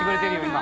今。